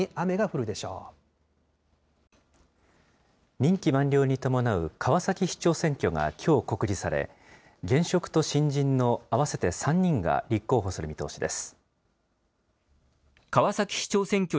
任期満了に伴う川崎市長選挙がきょう告示され、現職と新人の合わせて３人が立候補する見通しです。